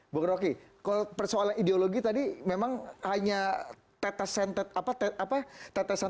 bu roki kalau persoalan ideologi tadi memang hanya tetesan tetesan